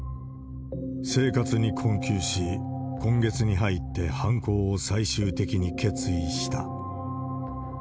生活に困窮し、今月に入って犯行を最終的に決意した。